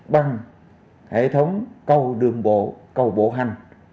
bằng hệ thống cầu đường bộ cầu bộ hạng